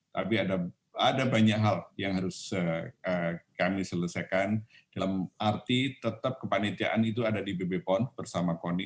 tapi ada banyak hal yang harus kami selesaikan dalam arti tetap kepanitiaan itu ada di bp pon bersama koni